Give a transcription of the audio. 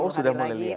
who sudah mulai lihat